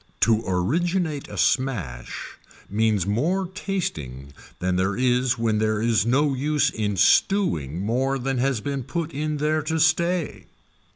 To originate a smash means more tasting than there is when there is no use in stewing more than has been put in there to stay.